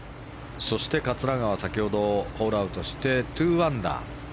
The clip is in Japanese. そして桂川は先ほどホールアウトして２アンダー。